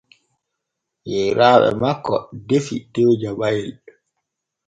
Yeyraaɓe makko defi tew jabayel.